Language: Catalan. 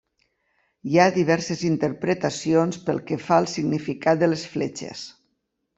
Hi ha diverses interpretacions pel que fa al significat de les fletxes.